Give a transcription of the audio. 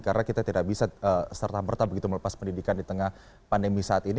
karena kita tidak bisa serta merta begitu melepas pendidikan di tengah pandemi saat ini